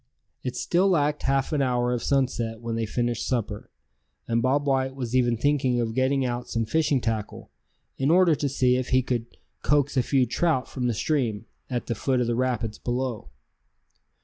It still lacked half an hour of sunset when they finished supper; and Bob White was even thinking of getting out some fishing tackle, in order to see if he could coax a few trout from the stream, at the foot of the rapids below.